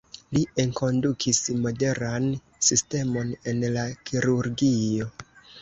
Li enkondukis modernan sistemon en la kirurgio.